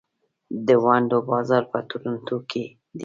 د ونډو بازار په تورنټو کې دی.